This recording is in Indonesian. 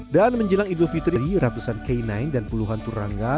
dan menjelang idul fitri ratusan kainain dan puluhan turangga